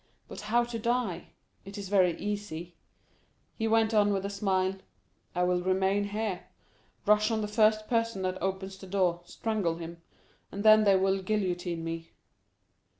But how to die? It is very easy," he went on with a smile; "I will remain here, rush on the first person that opens the door, strangle him, and then they will guillotine me."